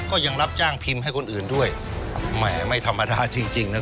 ก็ยังรับจ้างพิมพ์ให้คนอื่นด้วยแหมไม่ธรรมดาจริงจริงนะ